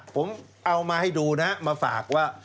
ผมเอามาให้ดูนะมาฝากว่า